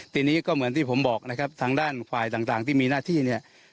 ทีนี้ก็เหมือนที่ผมบอกนะครับทางด้านฝ่ายต่างที่มีหน้าที่เนี่ย